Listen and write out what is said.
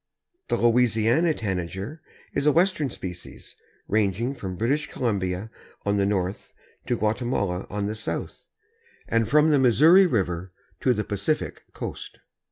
The Louisiana Tanager is a Western species, ranging from British Columbia on the north to Guatemala on the south, and from the Missouri river to the Pacific coast.